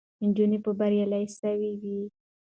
نجونې به بریالۍ سوې وي.